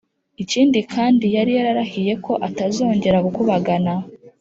ikindi kandi yari yararahiye ko atazongera gukubagana